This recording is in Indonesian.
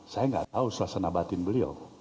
saya nggak tahu suasana batin beliau